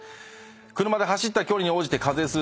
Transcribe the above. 車が走った距離に応じて課税する。